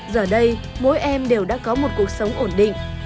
giờ đây mỗi em đều đã có một cuộc sống ổn định